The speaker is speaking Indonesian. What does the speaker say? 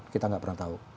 kita nggak pernah tahu